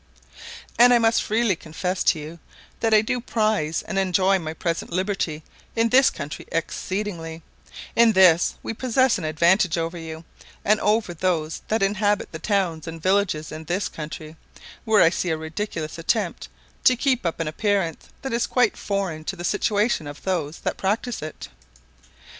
And I must freely confess to you that I do prize and enjoy my present liberty in this country exceedingly: in this we possess an advantage over you, and over those that inhabit the towns and villages in this country, where I see a ridiculous attempt to keep up an appearance that is quite foreign to the situation of those that practise it.